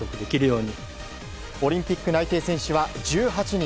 オリンピック内定選手は１８人。